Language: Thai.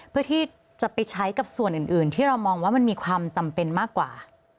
เพื่อที่จะไปใช้กับส่วนอื่นที่เรามองว่ามันมีความจำเป็นมากกว่า